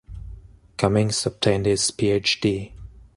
Cummings obtained his PhD.